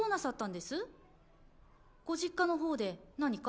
ご実家の方で何か？